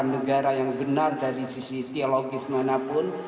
negara yang benar dari sisi teologis manapun